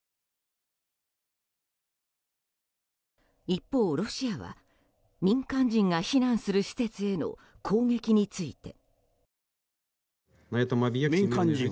一方、ロシアは民間人が避難する施設への攻撃について。